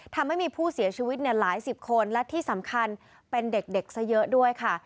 ทำให้มีผู้เสียชีวิตหลายสิบคนและที่สำคัญเป็นเด็กซะเยอะด้วยค่ะ